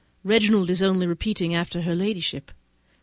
Reginald is only repeating after her ladyship.